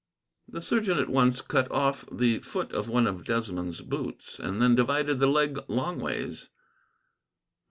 The surgeon at once cut off the foot of one of Desmond's boots, and then divided the leg longways.